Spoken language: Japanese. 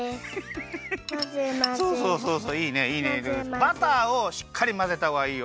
バターをしっかりまぜたほうがいいよ。